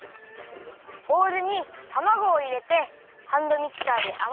ボウルにたまごをいれてハンドミキサーであわだてます。